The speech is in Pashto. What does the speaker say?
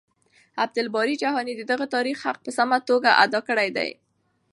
عبدالباري جهاني د دغه تاريخ حق په سمه توګه ادا کړی دی.